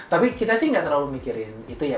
tapi kita sih nggak terlalu mikirin itu ya